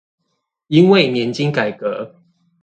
因為年金改革